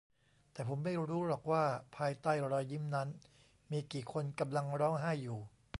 แต่ผมไม่รู้หรอกว่าภายใต้รอยยิ้มนั้นมีกี่คนกำลังร้องไห้อยู่